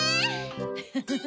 フフフ！